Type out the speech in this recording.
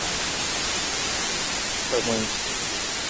په مینځ کې